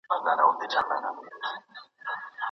که نن نه وي جانانه سبا کلي ته درځمه